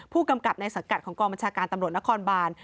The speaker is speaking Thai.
ผู้กำกับในสังกัดของกองบัญชาการตำรวจนครบาน